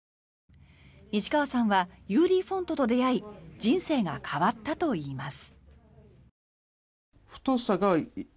西川さんはＵＤフォントと出会い人生が変わったといいます。